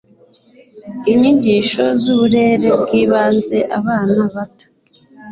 Inyigisho zuburere bwibanze abana bato